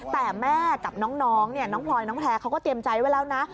แต่แม่กับน้องน้องพรน้องแท้เขาก็เตรียมใจไว้แล้วนะ